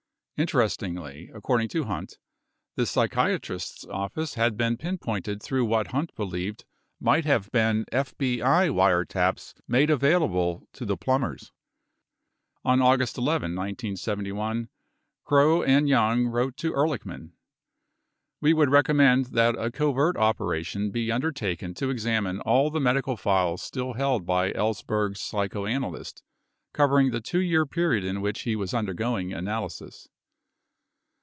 Interestingly, according to Hunt, the psy chiatrist's office had been pinpointed through what Hunt believed might have been FBI wiretaps made available to the Plumbers. 9 On August 11, 1971, Krogh and Young wrote to Ehrlichman :... We would recommend that a covert operation be undertaken to examine all the medical files still held by Ells berg's psychoanalyst covering the 2 year period in which he was undergoing analysis.